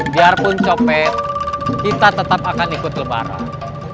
biarpun copet kita tetap akan ikut lebaran